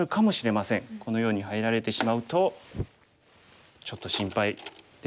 このように入られてしまうとちょっと心配ですかね。